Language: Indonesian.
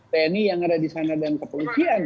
tni yang ada di sana dan kepolisian